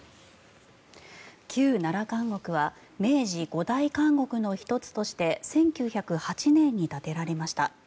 旧奈良監獄は明治五大監獄の１つとして１９０８年に建てられました。